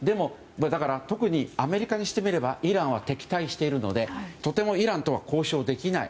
特にアメリカにしてみればイランは敵対しているのでとてもイランとは交渉できない。